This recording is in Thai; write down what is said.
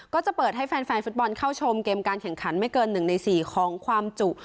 ก็จะเปิดให้แฟนฟุตบอลเข้าชมเกมการแข่งขันไม่เกิน๑ใน๔ของความจุ